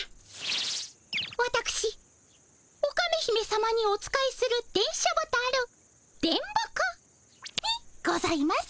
わたくしオカメ姫さまにお仕えする電書ボタル電ボ子にございます。